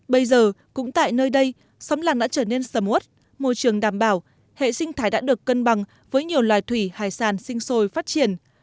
bây giờ cũng tại nơi đây xóm làng đã trở nên sầm út môi trường đảm bảo hệ sinh thái đã được cân bằng với nhiều loài thủy hải sản sinh sôi phát triển